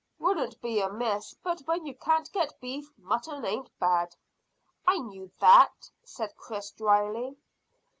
"Wouldn't be amiss; but when you can't get beef, mutton ain't bad." "I knew that," said Chris dryly.